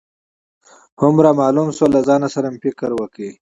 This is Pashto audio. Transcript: هم رامعلوم شو، له ځان سره مې فکر وکړ.